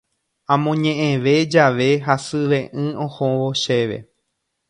Amoñe'ẽve jave hasyve'ỹ ohóvo chéve.